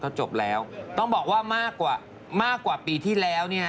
ก็จบแล้วต้องบอกว่ามากกว่ามากกว่าปีที่แล้วเนี่ย